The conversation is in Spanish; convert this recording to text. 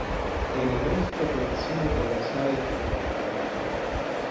El resto coincide con la "saga Ynglinga".